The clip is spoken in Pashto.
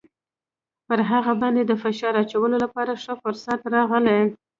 پر هغه باندې د فشار اچولو لپاره ښه فرصت راغلی.